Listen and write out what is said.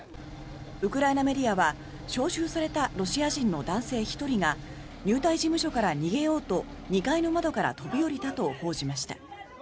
ウクライナメディアは招集されたロシア人の男性１人が入隊事務所から逃げようと２階の窓から飛び降りたと報じました。